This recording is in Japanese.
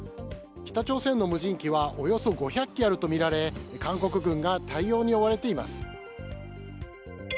北朝鮮の無人機はおよそ５００機あるとみられ韓国軍が対応に追われています。